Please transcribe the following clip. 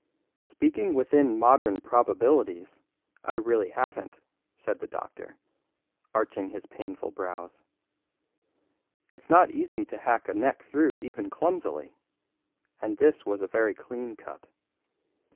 "Speaking within modern probabilities, I really haven't," said the doctor, arching his painful brows. "It's not easy to hack a neck through even clumsily, and this was a very clean cut.